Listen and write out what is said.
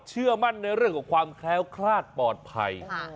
เชื่อมั่นในเรื่องของความแคล้วคลาดปลอดภัย